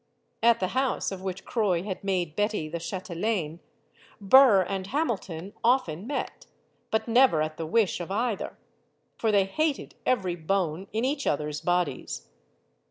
At the house of which Croix had made Betty the chatelaine, Burr and Hamilton often met, but never at the wish of either. For they hated every bone in each other's bodies.